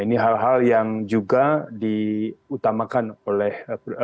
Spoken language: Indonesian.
ini hal hal yang juga diutamakan oleh